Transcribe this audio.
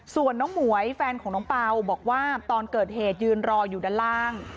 ส่วนน้องหมวยแฟนของน้องเปล่าบอกว่าตอนเกิดเหตุยืนรออยู่ด้านล่าง